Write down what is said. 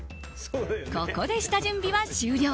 ここで下準備は終了。